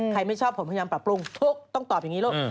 ไม่ชอบผมพยายามปรับปรุงฟุ๊กต้องตอบอย่างนี้ลูก